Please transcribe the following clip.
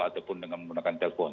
ataupun dengan menggunakan telepon